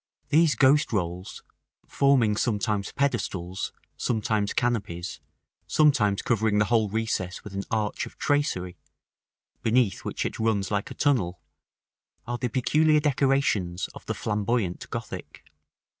These ghost rolls, forming sometimes pedestals, sometimes canopies, sometimes covering the whole recess with an arch of tracery, beneath which it runs like a tunnel, are the peculiar decorations of the Flamboyant Gothic.